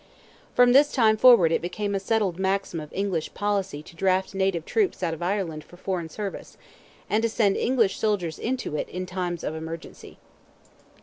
From this time forward it became a settled maxim of English policy to draft native troops out of Ireland for foreign service, and to send English soldiers into it in times of emergency.